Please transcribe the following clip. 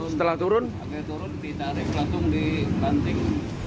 setelah turun ditarik pelatung di banting